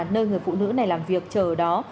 nơi người phụ nữ này làm việc chờ ở đó